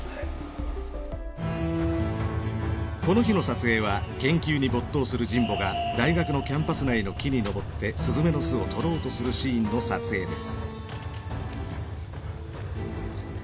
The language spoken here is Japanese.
この日の撮影は研究に没頭する神保が大学のキャンパス内の木に登ってスズメの巣を取ろうとするシーンの撮影です。